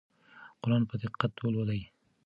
قرآن په دقت ولولئ.